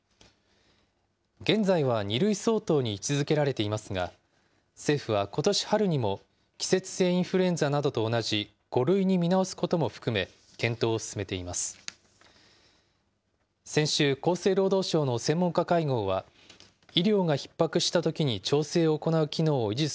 現在は２類相当に位置づけられていますが、政府はことし春にも、季節性インフルエンザなどと同じ５類に見直すことも含め、検討を進めています。